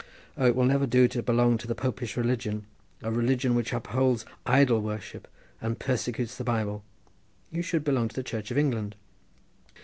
"O it will never do to belong to the Popish religion, a religion which upholds idol worship and persecutes the Bible—you should belong to the Church of England."